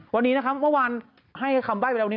วันนี้นะครับเมื่อวานให้คำใบ้ไปแล้วนี้